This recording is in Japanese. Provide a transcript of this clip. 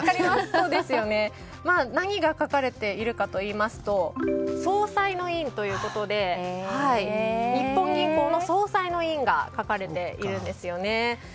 何が書かれているかといいますと総裁之印ということで日本銀行の総裁の印が書かれているんですよね。